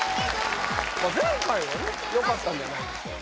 前回はねよかったんじゃないでしょうか